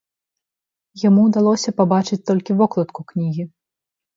Яму ўдалося пабачыць толькі вокладку кнігі.